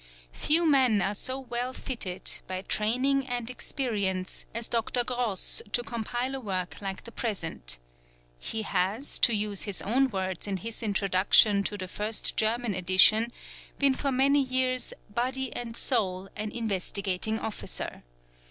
Few men are so well fitted, by train ing and experience, as Dr. Gross to compile a work like the present. He P has, to use his own words in his introduction to the first German edition, _ been for many years "body and soul" an Investigating Officer.